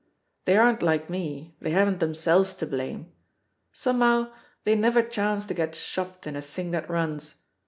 They aren't like me, they haven't themselves to blame. Somehow they never chance to get shopped in a thing that runs.